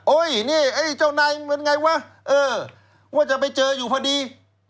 นี่ไอ้เจ้านายเหมือนไงวะเออว่าจะไปเจออยู่พอดี